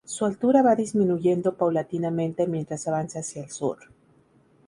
Su altura va disminuyendo paulatinamente mientras avanza hacia el sur.